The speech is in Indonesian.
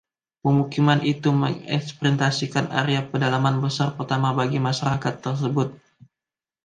Pemukiman itu merepresentasikan area pedalaman besar pertama bagi masyarakat tersebut.